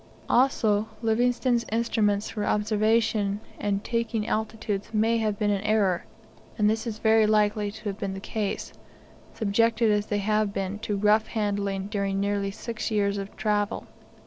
Also, Livingstone's instruments for observation and taking altitudes may have been in error; and this is very likely to have been the case, subjected as they have been to rough handling during nearly six years of travel.